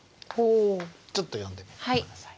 ちょっと読んでみて下さい。